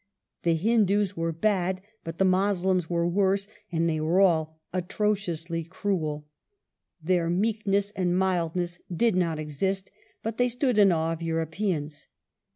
The Hindoos were bad, but the Moslems were worse, and they were all " atrociously cruel." Their "meekness and mildness" did not exist, but they stood in awe of Europeans.